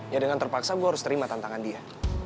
ya dengan terpaksa gue harus terima tantangan dia